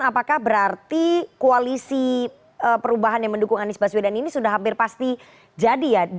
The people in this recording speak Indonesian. apakah berarti koalisi perubahan yang mendukung anies baswedan ini sudah hampir pasti jadi ya